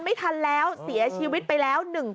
ไม่ทันแล้วเสียชีวิตไปแล้วมันไม่ทันแล้ว